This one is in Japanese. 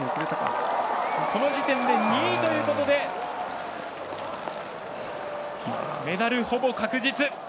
この時点で２位ということでメダル、ほぼ確実。